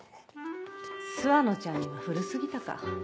諏訪野ちゃんには古過ぎたか。